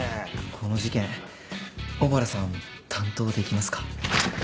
この事件小原さん担当できますか？